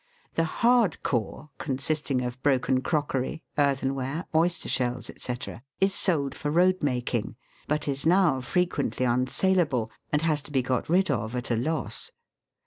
The " hard core " consisting of broken crockery, earthenware, oyster shells, &c. is sold for road making, but is now frequently unsaleable, and has to be got rid of at a loss.